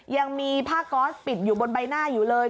ยังมีผ้าก๊อสปิดอยู่บนใบหน้าอยู่เลย